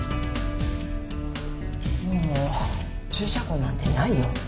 もう注射痕なんてないよ。